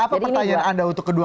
apa pertanyaan anda untuk kedua